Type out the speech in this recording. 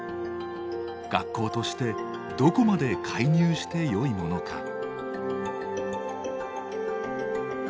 学校としてどこまで介入してよいものか。